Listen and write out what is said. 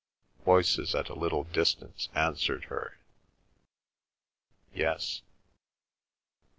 Voices at a little distance answered her, "Yes."